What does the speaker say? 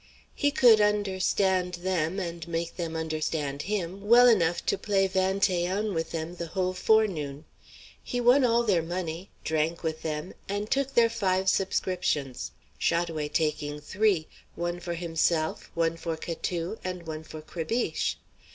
He could understand them, and make them understand him, well enough to play vingt et un with them the whole forenoon. He won all their money, drank with them, and took their five subscriptions, Chat oué taking three one for himself, one for Catou, and one for Crébiche.